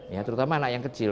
ya terutama anak yang kecil